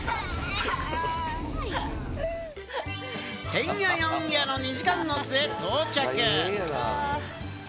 てんやわんやの２時間の末、到着。